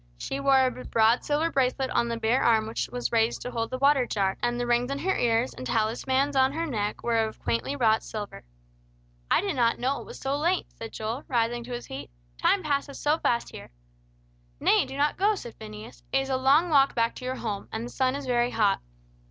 She wore a broad silver bracelet on the bare arm which was raised to hold the water jar, and the rings in her ears and talismans on her neck were of quaintly wrought silver. "I did not know it was so late," said Joel, rising to his feet. "Time passes so fast here." "Nay, do not go," said Phineas. "It is a long walk back to your home, and the sun is very hot.